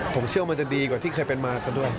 ผมเชื่อว่ามันจะดีกว่าที่เคยเป็นมาซะด้วย